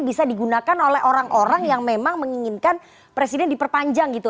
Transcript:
bisa digunakan oleh orang orang yang memang menginginkan presiden diperpanjang gitu